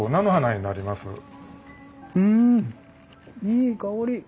いい香り。